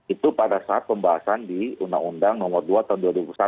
itu pada saat pembahasan di undang undang nomor dua tahun dua ribu satu